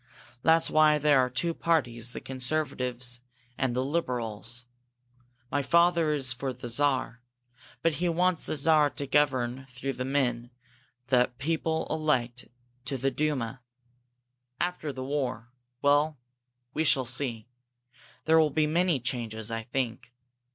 That's why there are two parties, the conservatives and the liberals. My father is all for the Czar, but he wants the Czar to govern through the men the people elect to the Duma. After this war well, we shall see! There will be many changes, I think.